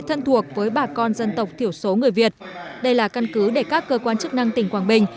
thân thuộc với bà con dân tộc thiểu số người việt đây là căn cứ để các cơ quan chức năng tỉnh quảng bình